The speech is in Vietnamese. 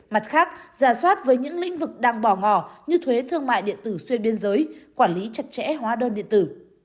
mặt khác giả soát với những lĩnh vực đang bỏ ngò như thuế thương mại điện tử xuyên biên giới quản lý chặt chẽ hóa đơn điện tử